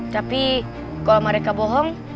tapi kalau mereka bohong